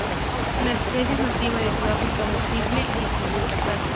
La especie es nativa de Sudáfrica, Mozambique y Zimbabue.